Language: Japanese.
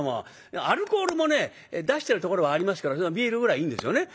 アルコールもね出してるところはありますからビールぐらいいいんですよね。